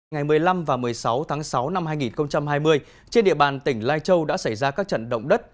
ngày một mươi năm và một mươi sáu tháng sáu năm hai nghìn hai mươi trên địa bàn tỉnh lai châu đã xảy ra các trận động đất